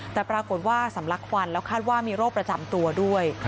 แต่ปรากฏว่าสำลักควันแล้วคาดว่ามีโรคประจำตัวด้วย